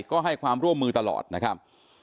ก็ให้ความร่วมมือตลอดนะครับ